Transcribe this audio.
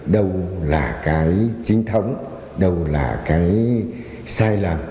đâu là cái chính thống đâu là cái sai lầm